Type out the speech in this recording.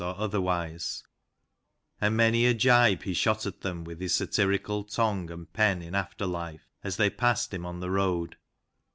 243 or Otherwise, and many a gibe he shot at them with his satirical tongue and pen in after hfe, as they passed him on the road.